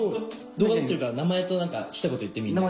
動画撮ってるから名前と一言言ってみんなに。